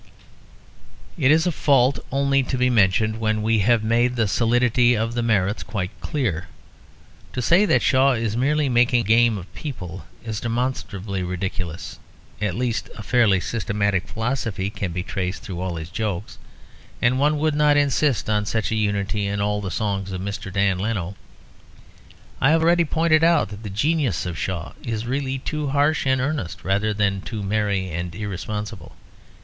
It is a fault only to be mentioned when we have made the solidity of the merits quite clear. To say that Shaw is merely making game of people is demonstrably ridiculous; at least a fairly systematic philosophy can be traced through all his jokes, and one would not insist on such a unity in all the songs of Mr. Dan Leno. I have already pointed out that the genius of Shaw is really too harsh and earnest rather than too merry and irresponsible.